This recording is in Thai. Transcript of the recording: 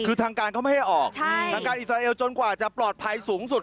คือทางการเขาไม่ให้ออกทางการอิสราเอลจนกว่าจะปลอดภัยสูงสุด